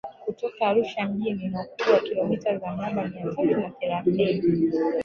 Kutoka Arusha mjini ina ukubwa wa kilometa za mraba mia tatu na thelathini